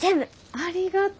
ありがとう。